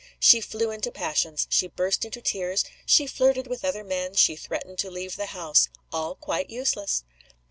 She flew into passions; she burst into tears; she flirted with other men; she threatened to leave the house. All quite useless!